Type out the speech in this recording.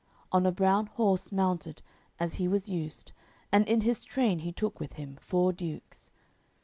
On a brown horse mounted, as he was used, And in his train he took with him four dukes.